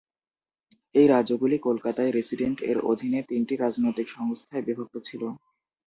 এই রাজ্যগুলি কলকাতায় "রেসিডেন্ট" এর অধীনে তিনটি রাজনৈতিক সংস্থায় বিভক্ত ছিল।